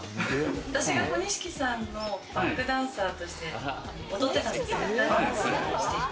私が小錦さんのバックダンサーとして踊ってたんですよ。